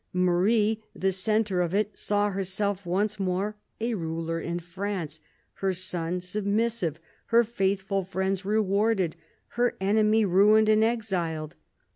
Marie, the centre of it, saw herself once more a ruler in France, her son submissive, her faithful friends rewarded, her enemy ruined and exiled.